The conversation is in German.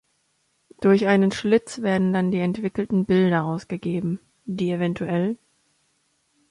Durch einen Schlitz werden dann die entwickelten Bilder ausgegeben, die evt.